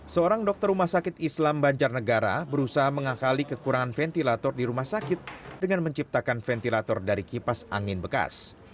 seorang dokter rumah sakit islam banjarnegara berusaha mengakali kekurangan ventilator di rumah sakit dengan menciptakan ventilator dari kipas angin bekas